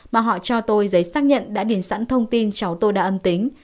mà họ cho tôi giấy xác nhận đã đến sẵn thông tin cháu tôi đã âm tính